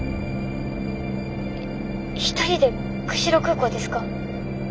一人で釧路空港ですか？